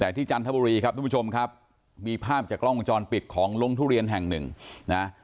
แต่ที่จันทบุรีครับทุกผู้ชมครับมีภาพจากกล้องวงจรปิดของโรงทุเรียนแห่งหนึ่งนะ